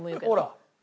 ほら。